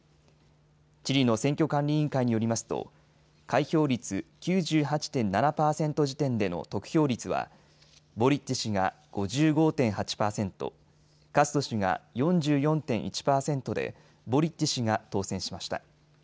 チリの選挙管理委員会によりますと開票率９８．７％時点での得票率はボリッチ氏が５５．８％、カスト氏が４４．１％でボリッチ氏が当選しました。